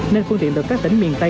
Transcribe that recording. nên phương tiện từ các tỉnh miền tây